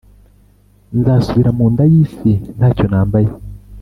nzasubira mu nda y’isi nta cyo nambaye